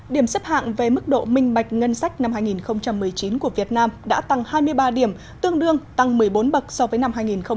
điểm xếp hạng về mức độ minh bạch ngân sách năm hai nghìn một mươi chín của việt nam đã tăng hai mươi ba điểm tương đương tăng một mươi bốn bậc so với năm hai nghìn một mươi tám